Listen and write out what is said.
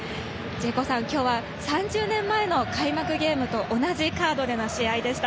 今日は３０年前の開幕ゲームと同じカードでの試合でした。